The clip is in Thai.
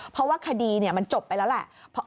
เพราะว่าคดีมันจบไปแล้วแหละ